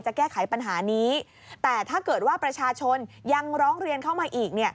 แก้ไขปัญหานี้แต่ถ้าเกิดว่าประชาชนยังร้องเรียนเข้ามาอีก